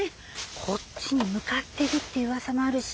こっちに向かってるっていう噂もあるし。